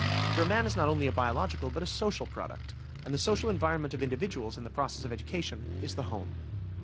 For a man is not only a biological but a social product, and the social environment of individuals in the process of education, is the home.